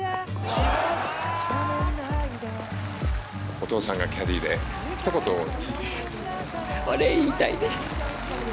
お父さんがキャディーで、お礼言いたいです。